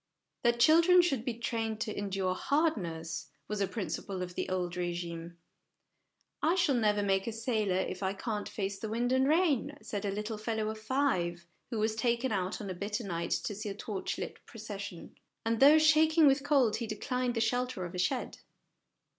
That children should be trained to endure hardness, was a principle of the old regime. " I shall never make a Bailor if I can't face the wind and rain," said a little fellow of five who was taken out on a bitter night to see a torchlight procession ; and, though shaking with cold, he declined the shelter of a shed.